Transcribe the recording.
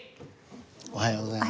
おはようございます。